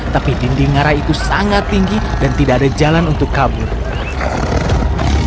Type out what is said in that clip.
tapi dinding ngarai itu sangat tinggi dan tidak ada jalan untuk kabur